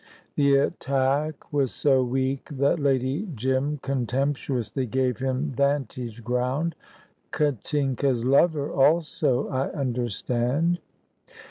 The attack was so weak that Lady Jim contemptuously gave him vantage ground. "Katinka's lover also, I understand."